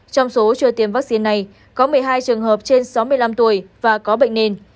trong số chưa tiêm vaccine này có một mươi hai trường hợp trên sáu mươi năm tuổi và có bệnh nền